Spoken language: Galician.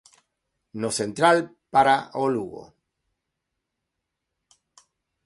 No central para o Lugo.